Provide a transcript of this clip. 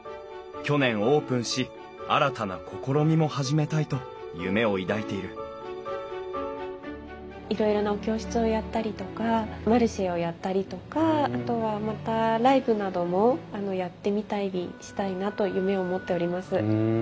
去年オープンし新たな試みも始めたいと夢を抱いているいろいろなお教室をやったりとかマルシェをやったりとかあとはまたライブなどもやってみたりしたいなと夢を持っております。